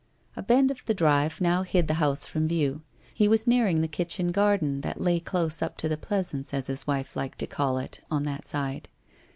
.. A bend of the drive now hid the house from view. He was nearing the kitchen garden, that lay close up to the pleasance, as his wife liked to call it, on that side.